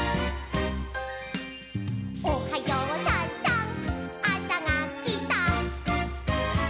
「おはようさんさんあさがきた」